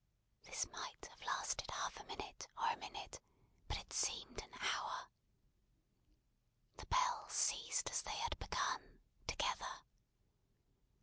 This might have lasted half a minute, or a minute, but it seemed an hour. The bells ceased as they had begun, together.